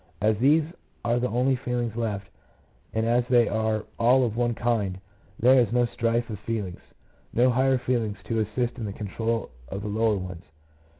As these are the only feelings left, and as they are all of one kind, there is no strife of feelings; no higher feelings to assist in the control of the lower ones.